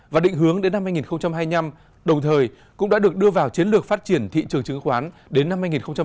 và định hướng đến năm hai nghìn hai mươi năm đồng thời cũng đã được đưa vào chiến lược phát triển thị trường chứng khoán đến năm hai nghìn ba mươi